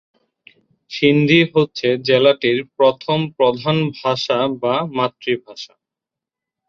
সিন্ধি হচ্ছে জেলাটির প্রথম প্রধান ভাষা বা মাতৃভাষা।